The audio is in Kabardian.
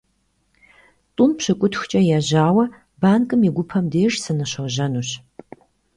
ТIум пщыкIутхукIэ ежьауэ банкым и гупэм деж сыныщожьэнущ.